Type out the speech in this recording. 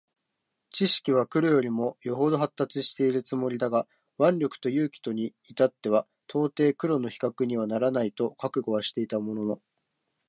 智識は黒よりも余程発達しているつもりだが腕力と勇気とに至っては到底黒の比較にはならないと覚悟はしていたものの、